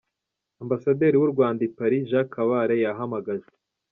Ambasaderi w’u Rwanda i Paris, Jacques Kabale, yahamagajwe.